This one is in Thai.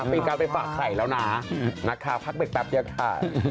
มีการไปฝากไข่แล้วนะนะคะพักเด็กแป๊บเดียวค่ะ